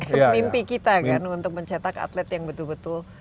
ini kan mimpi kita kan untuk mencetak atlet yang betul betul qualified